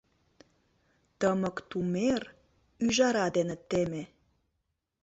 Тымык тумер ӱжара дене теме.